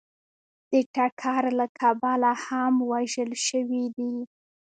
د ټکر له کبله هم وژل شوي دي